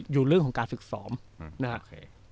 อยู่เรื่องของการฝึกซ้อมนะครับ